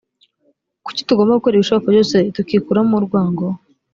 kuki tugomba gukora ibishoboka byose tukikuramo urwango